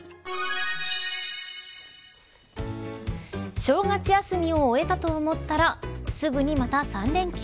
正月休みを終えたと思ったらすぐにまた３連休。